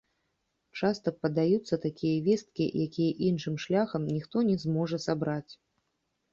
Часта падаюцца такія весткі, якія іншым шляхам ніхто не зможа сабраць.